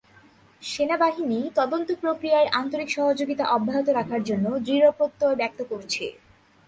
সেনাবাহিনী তদন্ত প্রক্রিয়ায় আন্তরিক সহযোগিতা অব্যাহত রাখার জন্য দৃঢ় প্রত্যয় ব্যক্ত করছে।